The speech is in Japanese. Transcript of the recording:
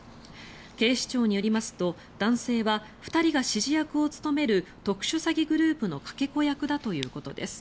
警視庁によりますと男性は２人が指示役を務める特殊詐欺グループのかけ子役だということです。